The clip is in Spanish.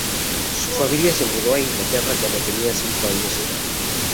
Su familia se mudó a Inglaterra cuando tenía cinco años de edad.